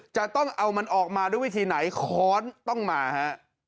จะต้องเอามันออกมาด้วยวิธีไหนค้อนต้องมาฮะ